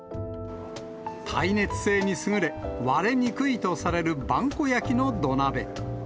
耐熱性に優れ、割れにくいとされる萬古焼の土鍋。